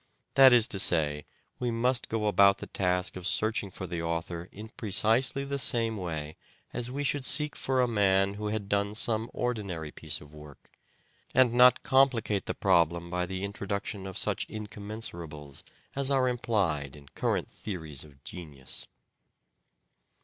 That is to say, we must go about the task of searching for the author in precisely the same way as we should seek for a man who had done some ordinary piece of work, and not complicate the problem by the introduction of such incommens arables as are implied in current theories of genius.